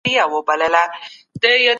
استازي څوک ننګولی سي؟